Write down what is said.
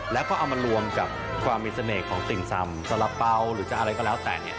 แล้วก็เอามารวมกับความมีเสน่ห์ของติ่มซำสละเป๋าหรือจะอะไรก็แล้วแต่